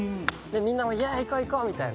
みんなもイェイ行こう行こうみたいな。